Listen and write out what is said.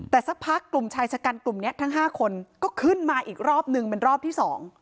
แต่สักพักกลุ่มชายชะกันกลุ่มนี้ทั้ง๕คนก็ขึ้นมาอีกรอบนึงเป็นรอบที่๒